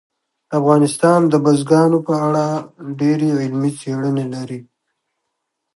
افغانستان د بزګانو په اړه ډېرې علمي څېړنې لري.